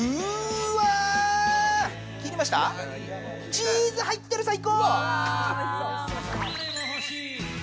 チーズ入ってる、最高！